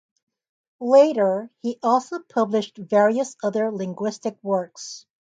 Later, he also published various other linguistic works.